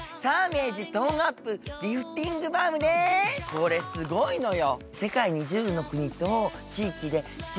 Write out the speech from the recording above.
これ、すごいのよ。